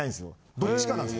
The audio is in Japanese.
どっちかなんです。